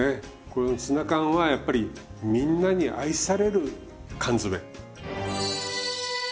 このツナ缶はやっぱりみんなに愛される缶詰。